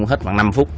hết khoảng năm phút